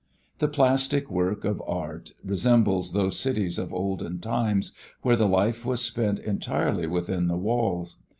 The plastic work of art resembles those cities of olden times where the life was spent entirely within the walls.